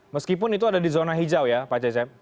meskipun itu ada di zona hijau ya pak cecep